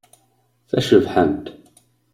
Tacebḥant.